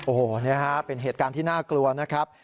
โอ้โหนี่ฮะเป็นเหตุการณ์ที่น่ากลัวนะครับ